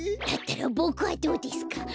だったらボクはどうですか？